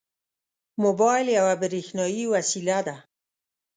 موبایل یوه برېښنایي وسیله ده.